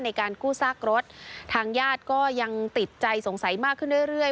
ในการกู้ซากรถทางญาติก็ยังติดใจสงสัยมากขึ้นเรื่อยเรื่อย